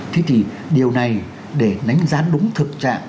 thế thì điều này để đánh giá đúng thực trạng